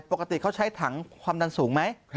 ปกติเขาใช้ถังความดันสูงไหม